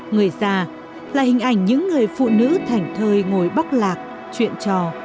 người già là hình ảnh những người phụ nữ thảnh thơi ngồi bóc lạc chuyện trò